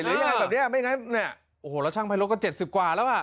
หรือยังไงแบบเนี้ยไม่ยังไงเนี้ยโอ้โหแล้วช่างไพโรตก็เจ็ดสิบกว่าแล้วอ่ะ